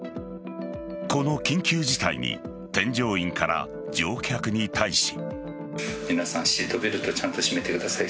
この緊急事態に添乗員から乗客に対し。